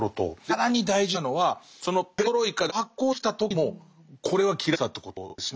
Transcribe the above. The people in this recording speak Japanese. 更に大事なのはそのペレストロイカでやっと発行できた時にもこれは切られてたってことですね。